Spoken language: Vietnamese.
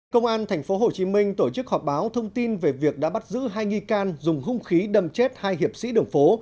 công an tp hcm tổ chức họp báo thông tin về việc đã bắt giữ hai nghi can dùng hung khí đâm chết hai hiệp sĩ đường phố